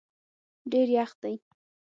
ډېر یخ دی